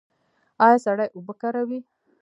ایا سړې اوبه کاروئ؟